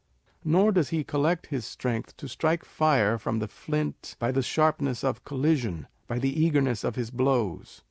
Nor does he collect his strength to strike fire from the flint by the sharpness of collision, by the eagerness of his blows.